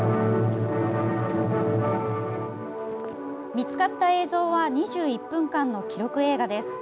見つかった映像は２１分間の記録映画です。